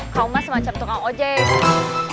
kau mah semacam tukang ojek